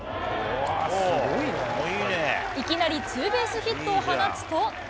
いきなりツーベースヒットを放つと。